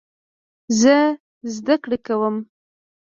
زه زده کړې کوم.